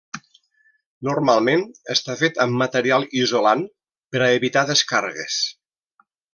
Normalment està fet amb material isolant, per a evitar descàrregues.